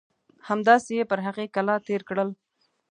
همداسې یې پر هغې کلا تېر کړل.